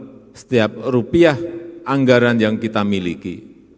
terhadap setiap rupiah anggaran yang kita miliki